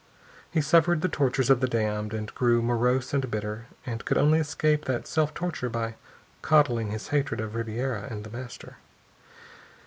He suffered the tortures of the damned, and grew morose and bitter, and could only escape that self torture by coddling his hatred of Ribiera and The Master.